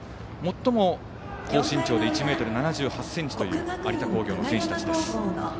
最も高身長で１ｍ７８ｃｍという有田工業の選手たちです。